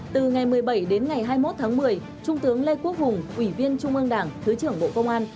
từ ngày một mươi bảy đến ngày hai mươi một tháng một mươi trung tướng lê quốc hùng ủy viên trung ương đảng thứ trưởng bộ công an